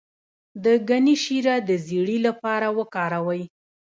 د ګني شیره د زیړي لپاره وکاروئ